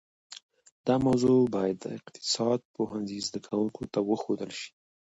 دا موضوع باید د اقتصاد پوهنځي زده کونکو ته ورښودل شي